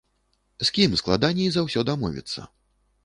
З кім складаней за ўсё дамовіцца?